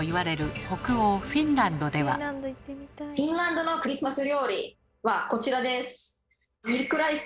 フィンランドのクリスマス料理はこちらです。